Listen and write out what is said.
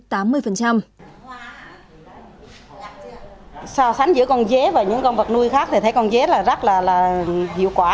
so sánh giữa con dế và những con vật nuôi khác thì thấy con dế là rất là hiệu quả